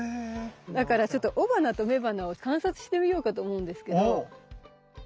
だからちょっと雄花と雌花を観察してみようかと思うんですけど。